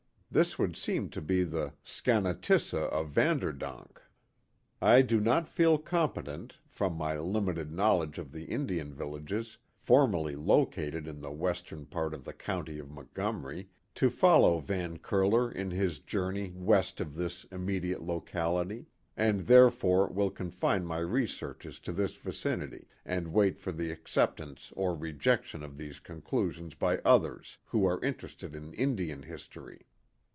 This would seem to be the Scha natissa ofVanderdonk. I do not feel competent, from my limited knowledge of the Indian villages, formerly located in the western part of the county of Montgomery, to follow Van Curler in his journey west ofithis'inim^diate locality, and therefore will confine my researches to this vicinity, and wait for the acceptance or re jection of these' conclusions by others who are interested in Indian history.